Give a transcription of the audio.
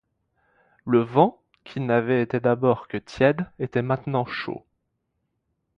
Le vent, qui n’avait été d’abord que tiède, était maintenant chaud.